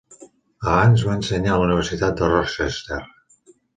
Abans, va ensenyar a la universitat de Rochester.